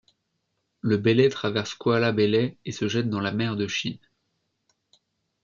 Le Belait traverse Kuala Belait et se jette dans la mer de Chine.